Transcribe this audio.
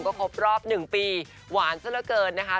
ก็ครบรอบ๑ปีหวานซะละเกินนะคะ